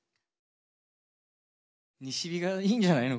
西日がいいんじゃないの？